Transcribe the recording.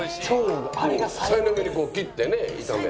さいの目に切ってね炒める。